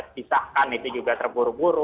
disahkan itu juga terburu buru